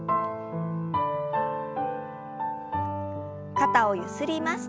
肩をゆすります。